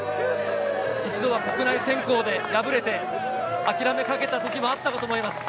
一度は国内選考で敗れて諦めかけた時もあったかと思います。